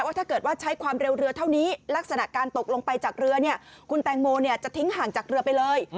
ถ้าเกิดว่าใช้ความเร็วเรือเท่านี้ลักษณะการตกลงไปจากเรือเนี่ยคุณแตงโมจะทิ้งห่างจากเรือไปเลย